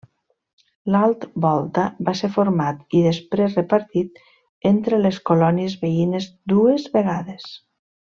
L'Alt Volta va ser format i després repartit entre les colònies veïnes dues vegades.